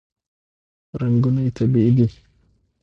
رنګونه یې طبیعي دي.